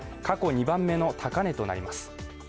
過去２番目の高値となります。